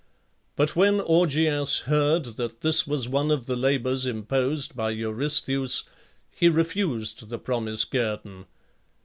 But when Augeas heard that this was one of the labours imposed by Eurystheus, he refused the promised guerdon.